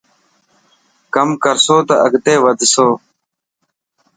ڪم ڪرسو ته اڳتي وڌسو.